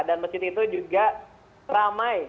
dan masjid itu juga ramai